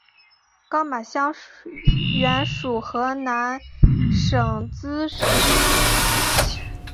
高码乡原属湖南省资兴市所辖乡。